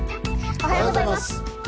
おはようございます。